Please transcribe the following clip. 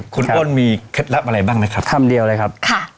คุณอ้นมีเคล็ดลับอะไรบ้างไหมครับคำเดียวเลยครับค่ะ